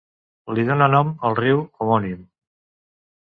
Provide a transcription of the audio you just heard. Li dóna nom el riu homònim.